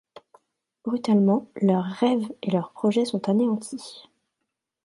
Brutalement leurs rêves et leurs projets sont anéantis.